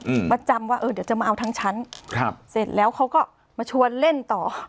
อืมมาจำว่าเออเดี๋ยวจะมาเอาทั้งชั้นครับเสร็จแล้วเขาก็มาชวนเล่นต่อ